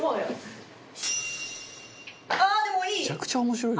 ああーでもいい！